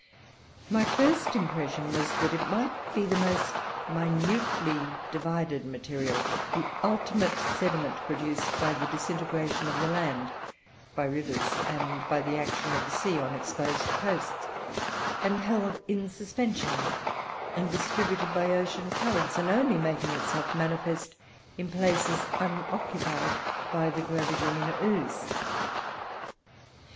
My first impression was that it might be the most minutely divided material, the ultimate sediment produced by the disintegration of the land, by rivers and by the action of the sea on exposed coasts, and held in suspension and distributed by ocean currents, and only making itself manifest in places unoccupied by the Globigerina ooze.